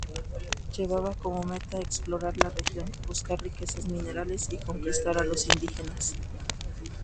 Llevaba como meta explorar la región, buscar riquezas minerales y conquistar a los indígenas.